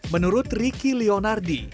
menurut ricky leonardi